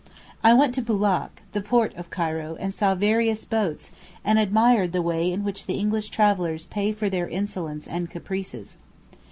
I went to Boulak, the port of Cairo, and saw various boats, and admired the way in which the English travellers pay for their insolence and caprices.